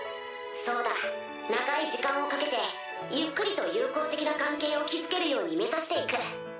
そうだ長い時間をかけてゆっくりと友好的な関係を築けるように目指して行く。